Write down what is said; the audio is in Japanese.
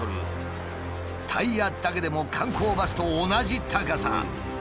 タイヤだけでも観光バスと同じ高さ。